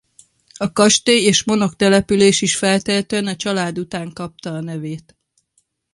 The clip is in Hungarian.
A kastély és Monok település is feltehetően a család után kapta a nevét.